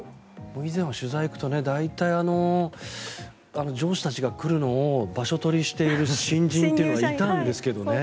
以前は取材に行くと大体、上司たちが来るのを場所取りしている新人というのがいたんですけどね。